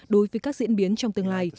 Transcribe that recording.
đối với các diễn biến trong tương lai